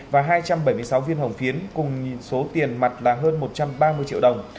và hai trăm bảy mươi sáu viên hồng phiến cùng số tiền mặt là hơn một trăm ba mươi triệu đồng